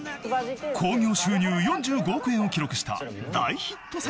［興行収入４５億円を記録した大ヒット作品の続編］